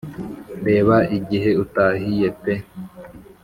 reba igihe utahiye pe!